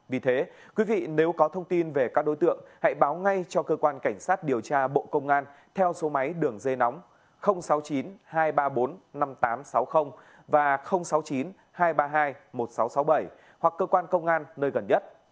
vì thế quý vị nếu có thông tin về các đối tượng hãy báo ngay cho cơ quan cảnh sát điều tra bộ công an theo số máy đường dây nóng sáu mươi chín hai trăm ba mươi bốn năm nghìn tám trăm sáu mươi và sáu mươi chín hai trăm ba mươi hai một nghìn sáu trăm sáu mươi bảy hoặc cơ quan công an nơi gần nhất